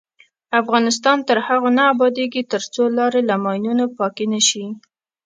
افغانستان تر هغو نه ابادیږي، ترڅو لارې له ماینونو پاکې نشي.